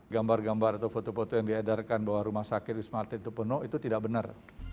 gambar gambar atau foto foto yang diedarkan bahwa rumah sakit wisma atlet itu penuh itu tidak benar